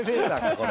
これ。